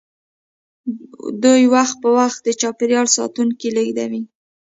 دوی وخت په وخت د چاپیریال ساتونکي لیږدوي